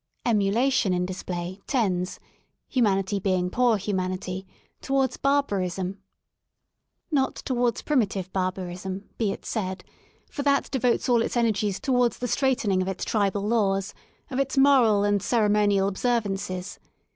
Emulation in display tends, humanity being poor humanity, to wards barbarism. (Not towards primitive barbarism, be it said, for that devotes all its energies towards the straitening of its tribal laws, of its moral and ceremo nial observances.